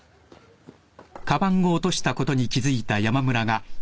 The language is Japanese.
あっ！？